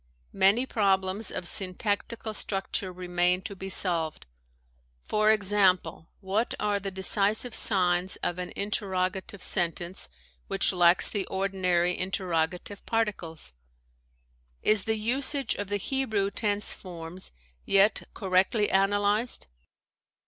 Many problems of syntactical structure remain to be solved. For example, what are the decisive signs of an interrogative sentence which lacks the ordinary interrogative particles ? Is the usage of the Hebrew tense forms yet correctly analyzed